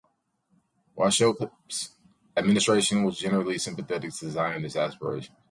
Wauchope's administration was generally sympathetic to Zionist aspirations.